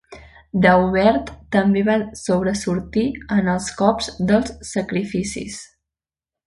Daubert també va sobresortir en els cops dels sacrificis.